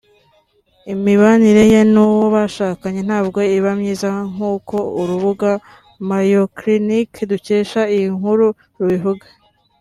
imibanire ye n’uwo bashakanye ntabwo iba myiza nkuko urubuga mayoclinic dukesha iyi nkuru rubivuga